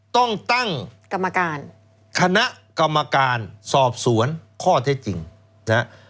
ต้องตั้งคณะกรรมการสอบสวนข้อเท็จจริงนะ